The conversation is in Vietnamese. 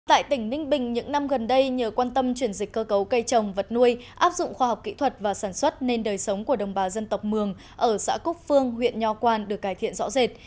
tại tỉnh ninh bình những năm gần đây nhờ quan tâm chuyển dịch cơ cấu cây trồng vật nuôi áp dụng khoa học kỹ thuật và sản xuất nên đời sống của đồng bào dân tộc mường ở xã cúc phương huyện nho quang được cải thiện rõ rệt